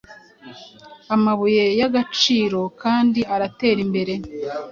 Amabuye yagacirokandi uratera imbere